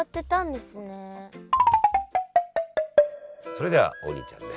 それでは王林ちゃんね